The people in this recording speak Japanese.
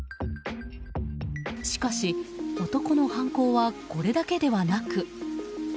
しかし、男の犯行はこれだけではなく。